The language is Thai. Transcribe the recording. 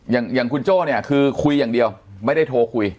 อย่างคุณโจ้เนี่ยคือคุยอย่างเดียวไม่ได้โทรคุย